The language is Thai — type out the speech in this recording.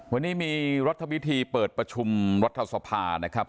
วันนี้มีรัฐพิธีเปิดประชุมรัฐสภานะครับ